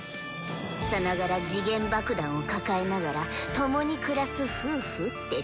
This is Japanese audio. さながら時限爆弾を抱えながら共に暮らす夫婦ってとこかしらん。